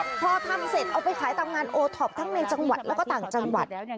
พอทำเสร็จเอาไปขายตามงานโอท็อปทั้งในจังหวัดแล้วก็ต่างจังหวัด